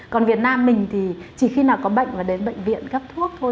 còn việt nam mình thì chỉ khi nào có bệnh là đến bệnh viện gấp thuốc thôi